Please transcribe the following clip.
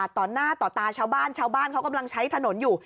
ต่อหน้าต่อตาชาวบ้านชาวบ้านเขากำลังใช้ถนนอยู่